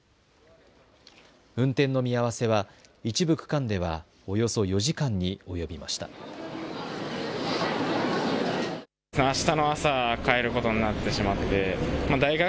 運転の見合わせは一部区間ではおよそ４時間に及びました。